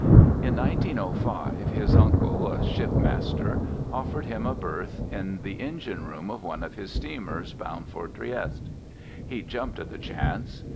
In 1905 his uncle, a shipmaster, offered him a berth in the engine room of one of his steamers, bound for Trieste. He jumped at the chance.